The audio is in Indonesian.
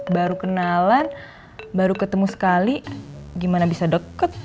baru kenalan baru ketemu sekali gimana bisa deket